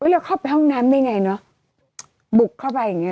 แล้วเข้าไปห้องน้ำได้ไงเนอะบุกเข้าไปอย่างเงี้